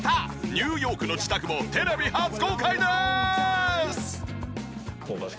ニューヨークの自宅をテレビ初公開でーす！